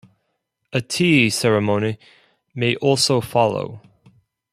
A tea ceremony may also follow.